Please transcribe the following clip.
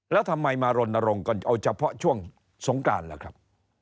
แล้วทำไมมารณรงค์กันเอาเฉพาะช่วงสงกรานล่ะครับ